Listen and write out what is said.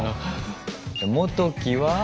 もときは？